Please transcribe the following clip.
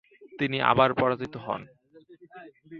তিনি আবার পরাজিত হন।